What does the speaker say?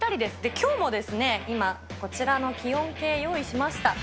きょうも今、こちらの気温計、用意しました。